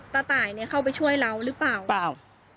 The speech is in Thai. ตาต่ายเนี่ยเขาไปช่วยเรารึเปล่า